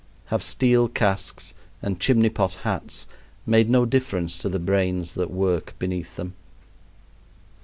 Have steel casques and chimney pot hats made no difference to the brains that work beneath them?